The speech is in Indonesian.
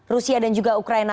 rusia dan juga ukraina